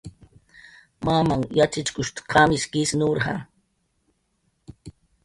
Mamanh yatxichkush qamish kis nurja.